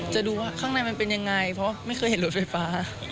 ดูว่าข้างในมันเป็นยังไงเพราะไม่เคยเห็นรถไฟฟ้า